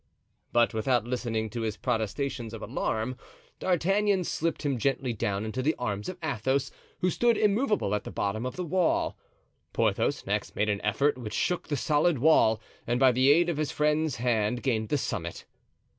But without listening to his protestations of alarm, D'Artagnan slipped him gently down into the arms of Athos, who stood immovable at the bottom of the wall. Porthos next made an effort which shook the solid wall, and by the aid of his friend's hand gained the summit.